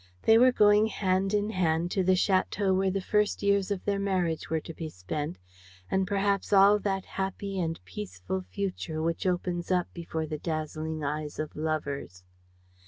They were going hand in hand to the château where the first years of their marriage were to be spent and perhaps all that happy and peaceful future which opens up before the dazzling eyes of lovers.